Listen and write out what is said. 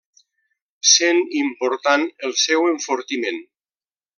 Sent important el seu enfortiment.